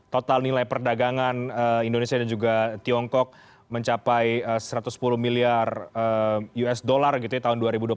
total nilai perdagangan indonesia dan juga tiongkok mencapai satu ratus sepuluh miliar usd gitu ya tahun dua ribu dua puluh satu